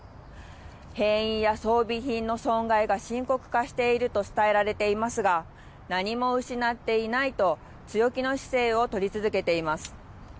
兵員や装備品の損害が深刻化していると伝えられていますが、何も失っていないと、強気の姿勢を取り続けています。